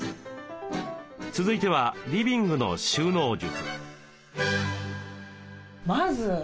続いてはリビングの収納術。